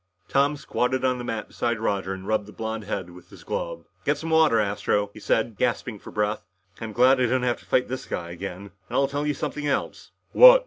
Tom squatted on the mat beside Roger and rubbed the blond head with his glove. "Get some water, Astro," he said, gasping for breath. "I'm glad I don't have to fight this guy again. And I'll tell you something else " "What?"